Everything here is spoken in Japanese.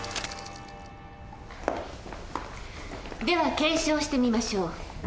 では検証してみましょう。